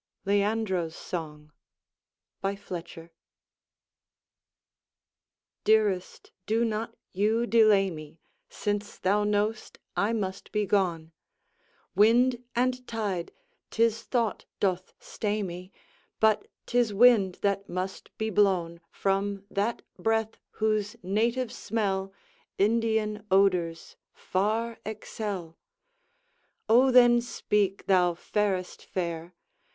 LEANDRO'S SONG BY FLETCHER Dearest, do not you delay me, Since thou know'st I must be gone; Wind and tide, 'tis thought, doth stay me, But 'tis wind that must be blown From that breath, whose native smell Indian odors far excel. Oh then speak, thou fairest fair!